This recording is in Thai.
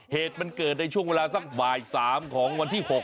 เหตุมันเกิดในช่วงเวลาสักบ่าย๓ของวันที่๖